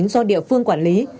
do địa phương quản lý